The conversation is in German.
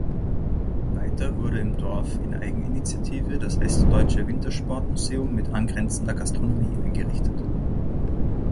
Weiter wurde im Dorf in Eigeninitiative das Westdeutsche Wintersport-Museum mit angrenzender Gastronomie eingerichtet.